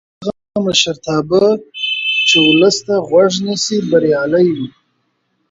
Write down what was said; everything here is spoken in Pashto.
هغه مشرتابه چې ولس ته غوږ نیسي بریالی وي